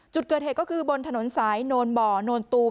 จุดเกิดเหตุก็คือบนถนนสายโนนบ่อโนนตูม